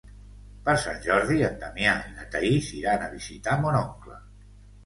Per Sant Jordi en Damià i na Thaís iran a visitar mon oncle.